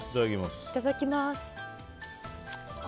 いただきます。